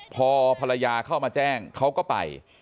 พอภรรยาเข้ามาแจ้งเขาก็ไป